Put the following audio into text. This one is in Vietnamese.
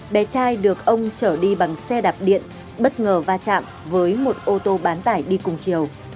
một ông trở đi bằng xe đạp điện bất ngờ va chạm với một ô tô bán tải đi cùng chiều